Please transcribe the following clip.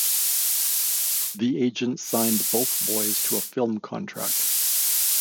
The agent signed both boys to a film contract.